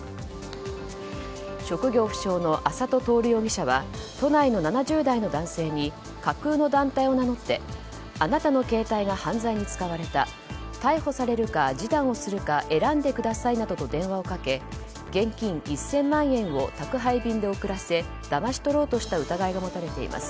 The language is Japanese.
職業不詳の安里徹容疑者は都内の７０代の男性に架空の団体を名乗ってあなたの携帯が犯罪に使われた逮捕されるか示談をするか選んでくださいなどと電話をかけ現金１０００万円を宅配便で送らせだまし取ろうとした疑いが持たれています。